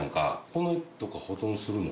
この絵とか保存するの？